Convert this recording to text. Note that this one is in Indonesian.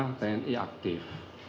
tidak ada perwira tni poweri aktif